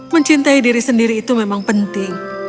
mencintai diri sendiri itu memang penting